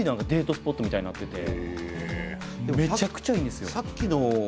スポットみたいになっててめちゃくちゃいいんですよ！